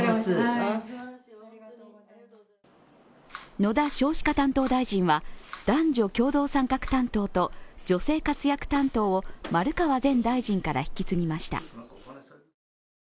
野田少子化担当大臣は男女共同参画担当と女性活躍担当を丸川前大臣から引き継ぎました。